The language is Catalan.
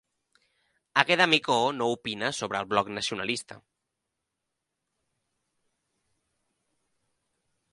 Àgueda Micó no opina sobre el Bloc Nacionalista